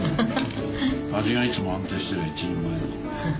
味がいつも安定してりゃ一人前だ。